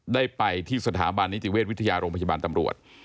ได้ไปที่สถาบันนิติเวชวิทยาโรงพยาบาลตำรวจ